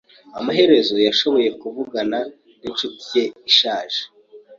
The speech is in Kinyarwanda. Amaherezo, yashoboye kuvugana n'inshuti ye ishaje.